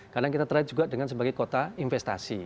karena kita terhadap juga dengan sebagai kota investasi